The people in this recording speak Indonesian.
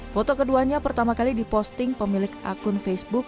foto keduanya pertama kali diposting pemilik akun facebook